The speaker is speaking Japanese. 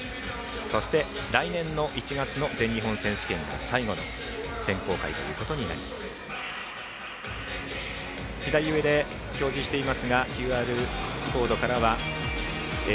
そして来年の１月の全日本選手権が最後の選考会ということになります。